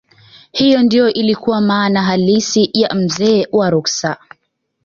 hiyo ndiyo ilikuwa maana halisi ya mzee wa ruksa